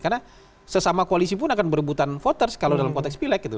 karena sesama koalisi pun akan berebutan voters kalau dalam konteks pileg gitu